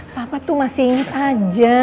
papa tuh masih ingat aja